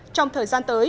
trong thời gian tới